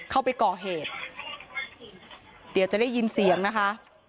เข้าไปก่อเหตุเดี๋ยวจะได้ยินเสียงนะคะ